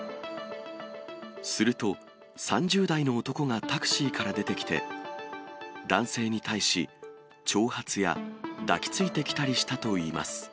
すると、３０代の男がタクシーから出てきて、男性に対し、挑発や抱きついてきたりしたといいます。